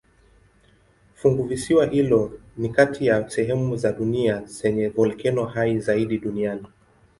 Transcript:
Funguvisiwa hilo ni kati ya sehemu za dunia zenye volkeno hai zaidi duniani.